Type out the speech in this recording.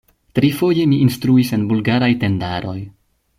Trifoje mi instruis en Bulgaraj tendaroj.